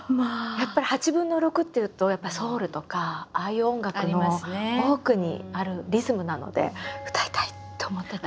やっぱり８分の６っていうとソウルとかああいう音楽の多くにあるリズムなので歌いたいって思ってた。